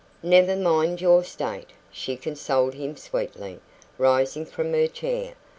"Never mind your state," she consoled him sweetly, rising from her chair.